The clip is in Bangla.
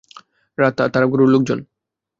তারা গুরুর লোকজন।